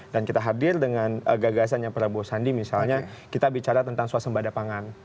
dan kita hadir dengan gagasan prabowo sandi misalnya kita bicara tentang suasembah depangan